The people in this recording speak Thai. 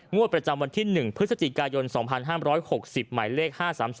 งวดประจำวันที่๑พฤศจิกายน๒๕๖๐หมายเลข๕๓๒